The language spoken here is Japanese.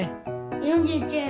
４９。